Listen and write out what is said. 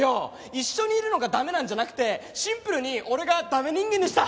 一緒にいるのがダメなんじゃなくてシンプルに俺がダメ人間でした！